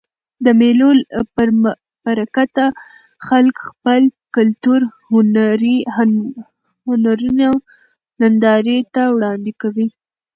د مېلو له برکته خلک خپل کلتوري هنرونه نندارې ته وړاندي کوي.